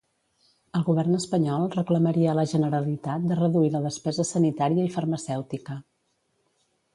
El govern espanyol reclamaria a la Generalitat de reduir la despesa sanitària i farmacèutica.